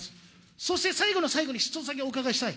そして最後の最後に一つだけお伺いしたい。